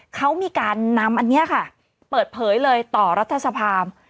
เขามีการนำอันนี้ค่ะเปิดเผยเลยต่อรัฐสภา